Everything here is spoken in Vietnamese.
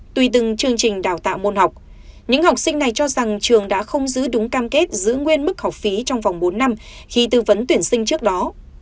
tùy từng chương trình đào tạo môn học những học sinh này cho rằng trường đã không giữ đúng cam kết giữ nguyên mức học phí trong vòng bốn năm khi tư vấn tuyển sinh trước đó